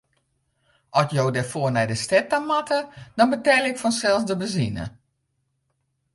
As jo derfoar nei de stêd ta moatte, dan betelje ik fansels de benzine.